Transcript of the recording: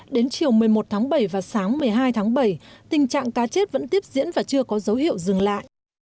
đến chiều một mươi một tháng bảy và sáng một mươi hai tháng bảy tình trạng cá chết vẫn tiếp diễn và chưa có dấu hiệu dừng lại